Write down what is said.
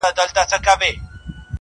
کلي کي سړه فضا ده ډېر.